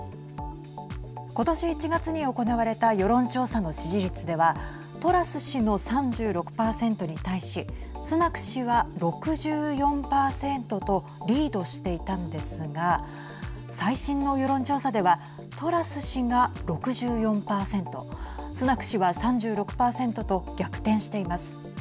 今年１月に行われた世論調査の支持率ではトラス氏の３６％に対しスナク氏は６４％とリードしていたんですが最新の世論調査ではトラス氏が６４％スナク氏は３６％と逆転しています。